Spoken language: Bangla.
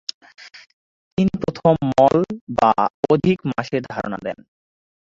তিনি প্রথম "মল" বা "অধিক" মাসের ধারণা দেন।